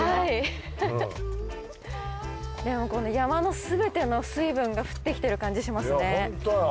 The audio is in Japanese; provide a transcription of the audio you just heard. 山のすべての水分が降ってきてる感じしますね。